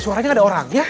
suaranya nggak ada orang ya